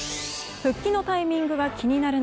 復帰のタイミングが気になる